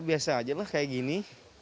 biasa aja lah kayak gini